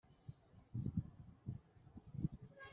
i,dore amashusho ajyanye n’inkuru,